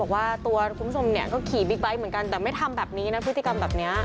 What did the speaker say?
บอกว่าตัวคุ้มสมก็ขี่บิ๊กไบค์เหมือนกันแต่ไม่ทำพฤติกรรมแบบนี้